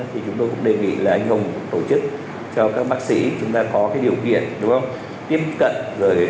thì chúng tôi cũng đề nghị là anh hùng tổ chức cho các bác sĩ chúng ta có điều kiện tiếp cận